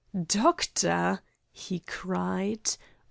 "Doctor!" he cried.